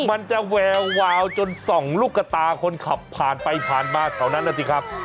มันจะแวววาวจนส่องลูกกระตาคนขับผ่านไปผ่านมาแถวนั้นแหละสิครับ